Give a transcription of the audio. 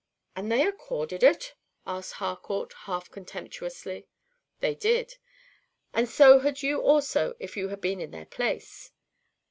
"And they accorded it?" asked Harcourt, half contemptuously. "They did; and so had you also if you had been in their place!